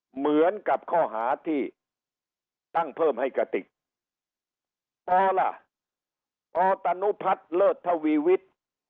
เหมือนกับข้อหาที่ตั้งเพิ่มให้กติกปล่ะอตนุพัฒน์เลิศทวีวิทย์